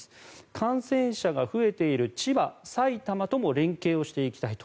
感染者が増えている千葉、埼玉とも連携をしていきたいと。